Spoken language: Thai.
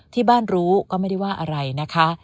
ที่บ้านรู้ก็ไม่ได้ว่าอะไรนะคะ